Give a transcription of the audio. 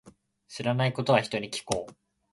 知らないことは、人に聞こう。